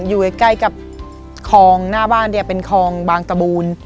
อยู่ใกล้กับคลองหน้าบ้านเนี่ยเป็นคลองบางตะบูน